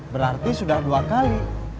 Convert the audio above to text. berarti sudah dua kali